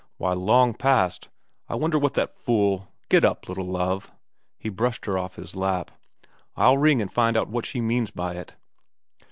' Why, long past. I wonder what that fool get up, little Love ' he brushed her off his lap' I'll ring and find out what she means by it.'